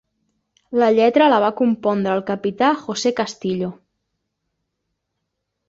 La lletra la va compondre el capità José Castillo.